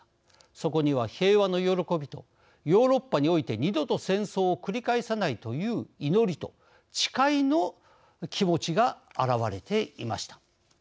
そこには平和の喜びとヨーロッパにおいて二度と戦争を繰り返さないという祈りと誓いの気持ちが表れていました。